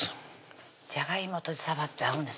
じゃがいもとさばって合うんですね